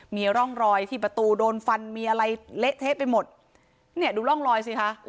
มีร่องรอยที่ประตูโดนฟันมีอะไรเละเทะไปหมดเนี่ยดูร่องรอยสิคะ